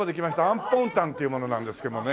アンポンタンっていう者なんですけどね。